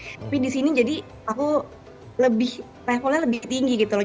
tapi di sini jadi aku lebih levelnya lebih tinggi gitu loh